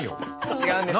違うんですよ。